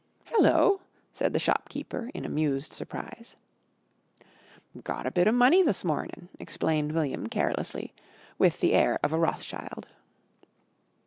"Hello!" said the shopkeeper, in amused surprise. "Gotter bit of money this mornin'," explained William carelessly, with the air of a Rothschild.